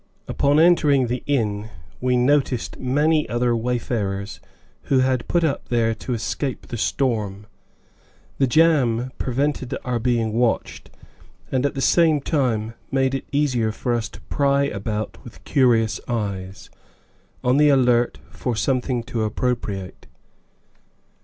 Upon entering the inn, we noticed many other wayfarers, who had put up there to escape the storm. The jam prevented our being watched, and at the same time made it easier for us to pry about with curious eyes, on the alert for something to appropriate.